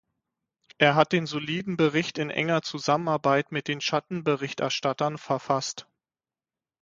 Er hat den soliden Bericht in enger Zusammenarbeit mit den Schattenberichterstattern verfasst.